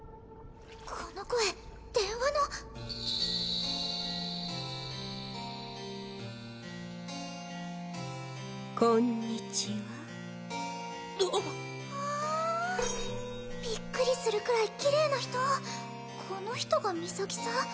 この声電話のこんにちはあわあびっくりするくらいキレイな人この人がミサキさん？